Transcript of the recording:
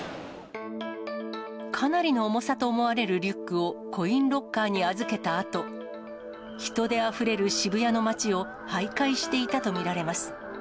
かなりの重さと思われるリュックをコインロッカーに預けたあと、人であふれる渋谷の街をはいかいしていたと見られます。